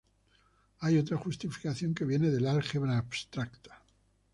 Hay otra justificación, que viene del álgebra abstracta.